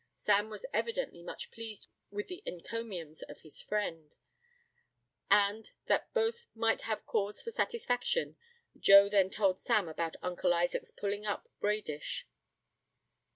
Sam was evidently much pleased with the encomiums of his friend; and, that both might have cause for satisfaction, Joe then told Sam about Uncle Isaac's pulling up Bradish.